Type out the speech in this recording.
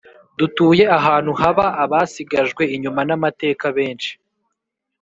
Dutuye ahantu haba abasigajwe inyuma na mateka benshi